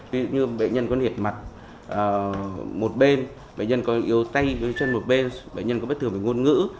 ví dụ như bệnh nhân có nhiệt mặt một bên bệnh nhân có yếu tay trên một bên bệnh nhân có bất thường về ngôn ngữ